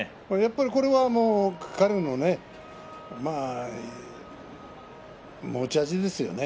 これは彼の持ち味ですよね。